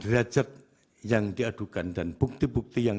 kesempatan langsung naik dari sekitar baterai hukuman